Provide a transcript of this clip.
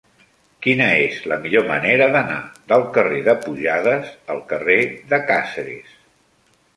Quina és la millor manera d'anar del carrer de Pujades al carrer de Càceres?